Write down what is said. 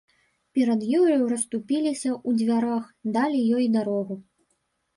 Перад ёю расступіліся ў дзвярах, далі ёй дарогу.